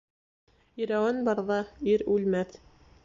Ирәүән барҙа ир үлмәҫ